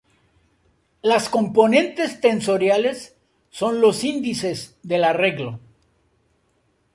Las "componentes" tensoriales son los índices del arreglo.